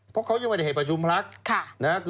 เพราะเขายังไม่ได้ให้ประชุมพัก